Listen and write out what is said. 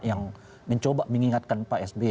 yang mencoba mengingatkan pak sby